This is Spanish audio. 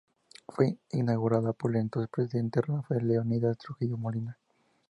Fue inaugurada por el entonces presidente Rafael Leónidas Trujillo Molina.